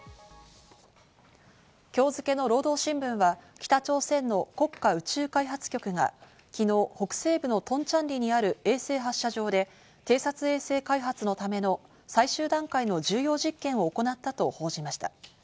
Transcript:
今日付けの労働新聞は、北朝鮮の国家宇宙開発局が昨日、北西部のトンチャンリにある衛星発射場で、偵察衛星開発のための最終段階の重要実験を行ったと報じました。